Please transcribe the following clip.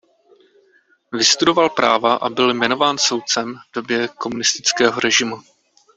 Vystudoval práva a byl jmenován soudcem v době komunistického režimu.